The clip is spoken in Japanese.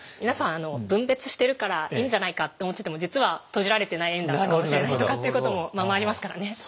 皆さん分別してるからいいんじゃないかって思ってても実は閉じられてない円なのかもしれないとかっていうこともままありますからね。